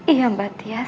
iya mbak tias